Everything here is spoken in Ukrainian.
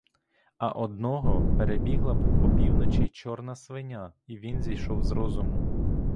А одного перебігла в опівночі чорна свиня і він зійшов з розуму.